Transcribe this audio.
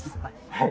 はい。